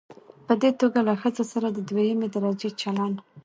په دې توګه له ښځو سره د دويمې درجې چلن